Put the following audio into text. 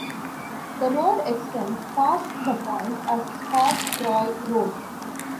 The road extends past the point as "Scott-Troy Road".